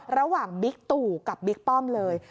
ระหว่างบิ๊กตู่กับบิ๊กป้อมเลย